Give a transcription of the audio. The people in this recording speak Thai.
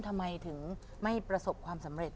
ทำไมถึงไม่ประสบความสำเร็จ